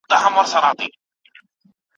جهاني به پر لکړه پر کوڅو د جانان ګرځي